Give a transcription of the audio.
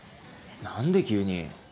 何で急に？